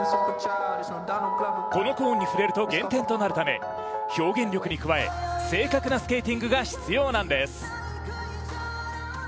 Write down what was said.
このコーンに触れると減点となるため表現力に加え、正確なスケーティングが必要になるんです。